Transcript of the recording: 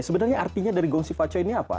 sebenarnya artinya dari kongsi facai ini apa